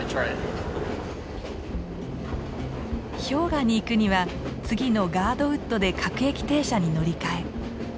氷河に行くには次のガードウッドで各駅停車に乗り換え。